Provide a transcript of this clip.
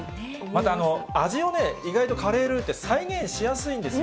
また味をね、意外とカレールーって再現しやすいんですよ。